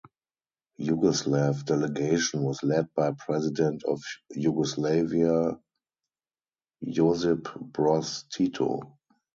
Yugoslav delegation was led by President of Yugoslavia Josip Broz Tito.